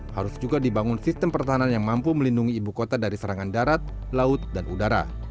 harus juga dibangun sistem pertahanan yang mampu melindungi ibu kota dari serangan darat laut dan udara